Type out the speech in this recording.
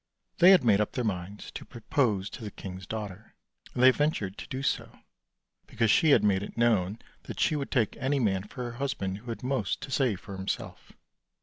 They had made up their minds to propose to the king's daughter, and they ventured to do so, because she had made it known that she would take any man for a husband who had most to say for himself.